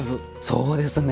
そうですね。